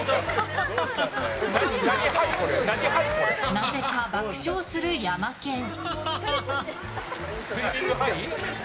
なぜか爆笑するヤマケン。